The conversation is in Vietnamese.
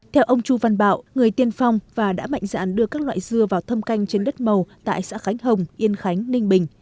theo ông chu văn bảo người tiên phong và đã mạnh dạn đưa các loại dưa vào thâm canh trên đất màu tại xã khánh hồng yên khánh ninh bình